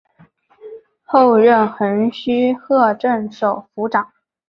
后任横须贺镇守府长。